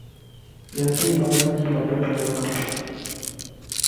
يتيم ٻارن جي مدد ڪرڻ کپ